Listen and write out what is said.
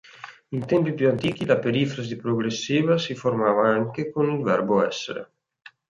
In tempi più antichi, la perifrasi progressiva si formava anche con il verbo "essere".